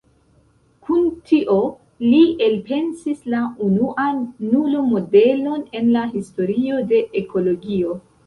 Kun tio, li elpensis la unuan nulo-modelon en la historio de ekologio.